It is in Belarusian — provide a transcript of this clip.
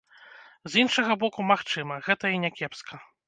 З іншага боку, магчыма, гэта і някепска.